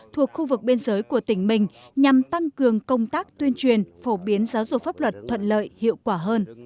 thuộc khu vực biên giới của tỉnh mình nhằm tăng cường công tác tuyên truyền phổ biến giáo dục pháp luật thuận lợi hiệu quả hơn